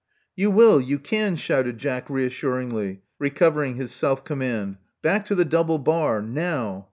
"You will: you can," shouted Jack reassuringly, recovering his self command. Back to the double bar. Now!"